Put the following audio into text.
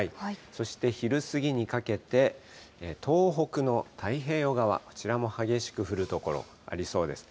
そして昼過ぎにかけて、東北の太平洋側、こちらも激しく降る所ありそうです。